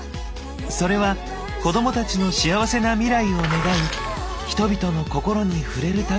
それは子どもたちの幸せな未来を願う人々の心に触れる旅なのかもしれない。